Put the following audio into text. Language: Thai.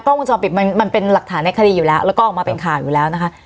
วงจรปิดมันมันเป็นหลักฐานในคดีอยู่แล้วแล้วก็ออกมาเป็นข่าวอยู่แล้วนะคะ